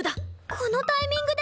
このタイミングで？